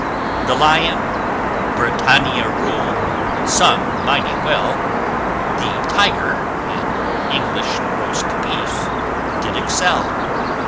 The Lion, "Britannia Rule," sung mighty well: The Tiger, "in English Roast Beef," did excel.